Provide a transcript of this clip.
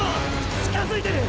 近づいてる！！